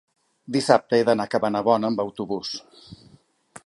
dissabte he d'anar a Cabanabona amb autobús.